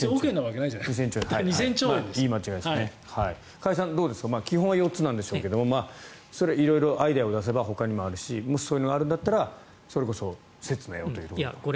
加谷さん、どうですか基本は４つなんですがアイデアを出せばほかにもあるしもしそういうのがあるならばそれこそ説明をということですね。